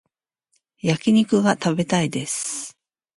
焼き肉が食べたいです